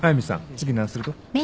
次何すると？